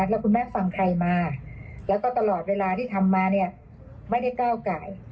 แล้วคุณแม่ฟังใครมาแล้วก็ตลอดเวลาที่ทำมาเนี่ยไม่ได้ก้าวไก่